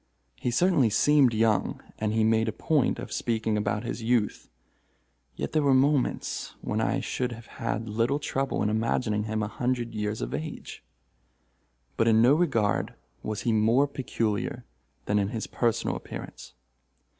He certainly seemed young—and he made a point of speaking about his youth—yet there were moments when I should have had little trouble in imagining him a hundred years of age. But in no regard was he more peculiar than in his personal appearance.